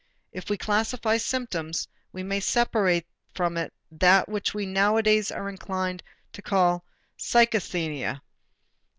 If we classify symptoms, we may separate from it that which we nowadays are inclined to call psychasthenia.